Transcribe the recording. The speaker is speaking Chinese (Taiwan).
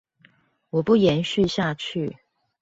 我不延續下去